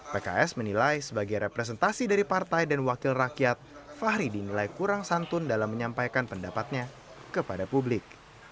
pks menilai sebagai representasi dari partai dan wakil rakyat fahri dinilai kurang santun dalam menyampaikan pendapatnya kepada publik